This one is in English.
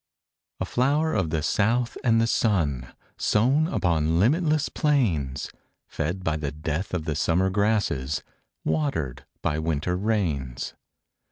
A flower of the South and the Sun, Sown upon limitless plains; Fed by the death of the summer grasses, Watered by winter rains.